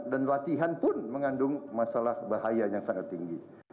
dan latihan pun mengandung masalah bahaya yang sangat tinggi